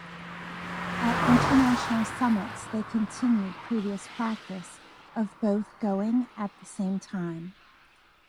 At international summits they continued previous practice of both going at the same time.